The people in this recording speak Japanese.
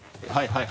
はい！